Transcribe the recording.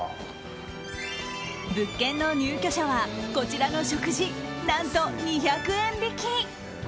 物件の入居者はこちらの食事何と２００円引き。